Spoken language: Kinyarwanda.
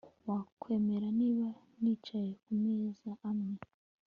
wakwemera niba nicaye kumeza amwe